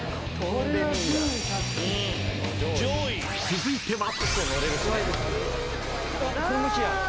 ［続いては］